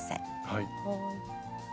はい。